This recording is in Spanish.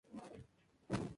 Su piel es suave.